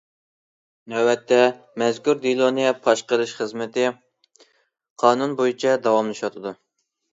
نۆۋەتتە, مەزكۇر دېلونى پاش قىلىش خىزمىتى قانۇن بويىچە داۋاملىشىۋاتىدۇ.